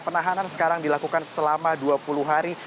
penahanan sekarang dilakukan selama dua puluh hari